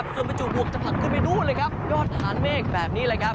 ส่วนประจูดบวกจะผลักลงไปดูเลยยอดฐานเมฆแบบนี้